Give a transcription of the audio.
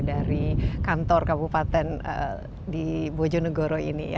dari kantor kabupaten di bojonegoro ini